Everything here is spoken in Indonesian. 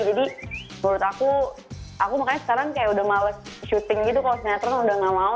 jadi menurut aku aku makanya sekarang kayak udah males shooting gitu kalau sinetron udah gak mau